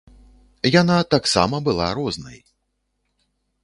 Яна таксама была рознай.